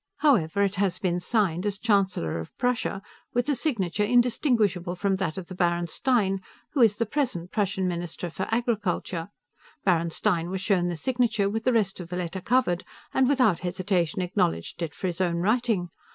However, it has been signed, as Chancellor of Prussia, with a signature indistinguishable from that of the Baron Stein, who is the present Prussian Minister of Agriculture. Baron Stein was shown the signature, with the rest of the letter covered, and without hesitation acknowledged it for his own writing.